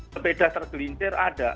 sebeda tergelintir ada